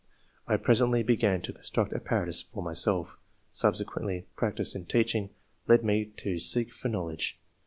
I presently began to construct apparatus for myself. Subsequently practice in teaching led me to seek for know ledge.